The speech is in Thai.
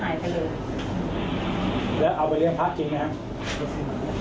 แล้วเอาไปเรียนพัฒน์จริงไหมครับ